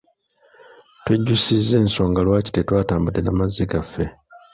Twejjusizza ensonga lwaki tetwatambudde na mazzi gaffe.